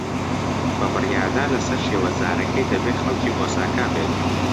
بە بڕیاردان لەسەر شێوەزارەکەی، دەبێت خەڵکی ئۆساکا بێت.